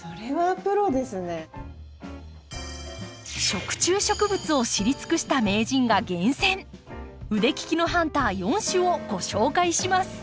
食虫植物を知り尽くした名人が厳選腕利きのハンター４種をご紹介します。